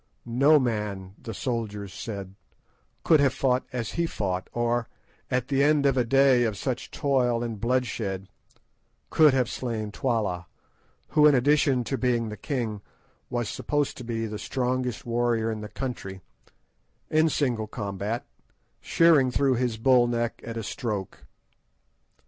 No man, the soldiers said, could have fought as he fought or, at the end of a day of such toil and bloodshed, could have slain Twala, who, in addition to being the king, was supposed to be the strongest warrior in the country, in single combat, shearing through his bull neck at a stroke.